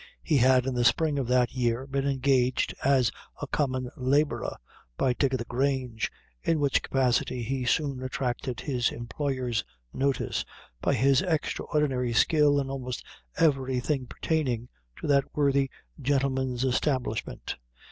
He had in the spring of that year, been engaged as a common laborer by Dick o' the Grange, in which capacity he soon attracted his employer's notice, by his extraordinary skill in almost everything pertaining to that worthy gentleman's establishment.